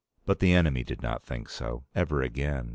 But the enemy did not think so. Ever again.